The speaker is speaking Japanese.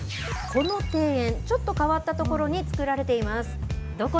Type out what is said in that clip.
この庭園、ちょっと変わった所に造られています。